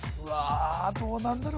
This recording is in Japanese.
あどうなんだろ